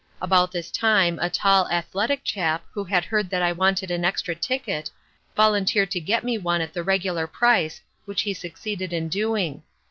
About this time a tall, athletic, chap, who had heard that I wanted an extra ticket, volunteered to get me one at the regular price, which he succeeded in doing.